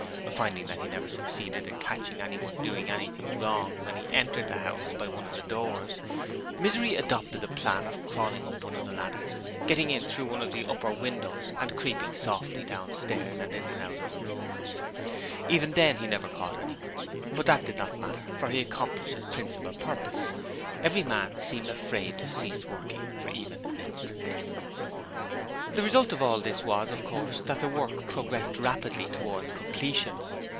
Finding that he never succeeded in catching anyone doing anything wrong when he entered the house by one of the doors, Misery adopted the plan of crawling up one of the ladders, getting in through one of the upper windows and creeping softly downstairs and in and out of the rooms. Even then he never caught anyone, but that did not matter, for he accomplished his principal purpose every man seemed afraid to cease working for even an instant. The result of all this was, of course, that the work progressed rapidly towards completion.